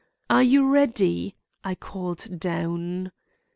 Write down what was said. "Are you ready?" I called down.